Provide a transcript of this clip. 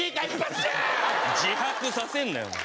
自白させんなよお前。